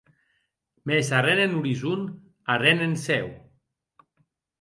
Mès arren en orizon, arren en cèu.